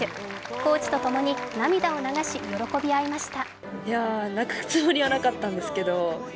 コーチと共に涙を流し喜び合いました。